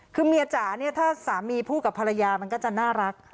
คือเมียจ๋าเนี่ยถ้าสามีพูดกับภรรยามันก็จะน่ารัก